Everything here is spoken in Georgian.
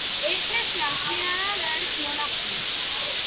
ეკლესია მთლიანად არის მოხატული.